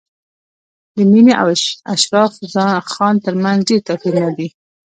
د مينې او اشرف خان تر منځ ډېر توپیرونه دي